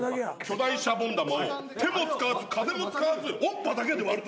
巨大シャボン玉を手も使わず風も使わず音波だけで割るという。